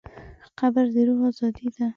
قبر د روح ازادي ده.